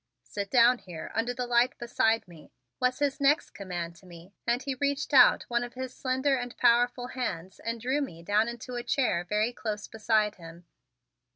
"Sit down here under the light beside me," was his next command to me, and he reached out one of his slender and powerful hands and drew me down into a chair very close beside him.